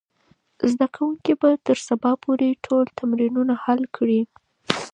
زده کوونکي به تر سبا پورې ټول تمرینونه حل کړي وي.